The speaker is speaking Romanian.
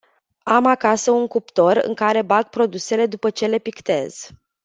Am acasă un cuptor în care bag produsele după ce le pictez.